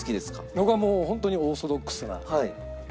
僕はもうホントにオーソドックスなやつです。